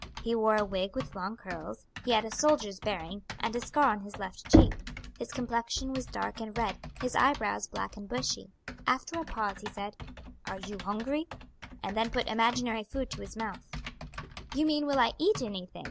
He wore a wig with long curls; he had a soldier's bearing, and a scar on his left cheek; his complexion was dark and red, his eyebrows black and bushy. After a pause he said: "Are you hungry?" and then put imaginary food to his mouth. "You mean will I eat anything?"